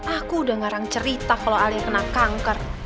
aku udah ngarang cerita kalau alia kena kanker